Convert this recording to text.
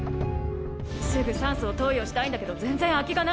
すぐ酸素を投与したいんだけど全然空きがない。